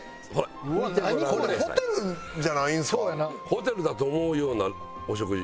ホテルだと思うようなお食事。